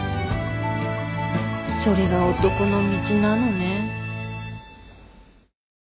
それが男の道なのね。